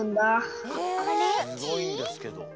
すごいんですけど。